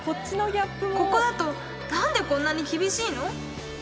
ここだとなんでこんなに厳しいの？